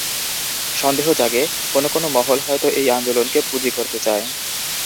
সন্দেহ জাগে, কোনো কোনো মহল হয়তো এই আন্দোলনকে পুঁজি করতে চায়।